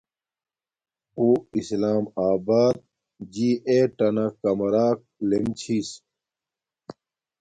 اُواسلام آبات جی ایٹ ٹنا کمرک لیم چھس